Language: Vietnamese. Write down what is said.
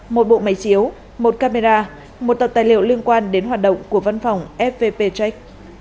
một bộ máy chiếu một camera một tập tài liệu liên quan đến hoạt động của văn phòng fvp check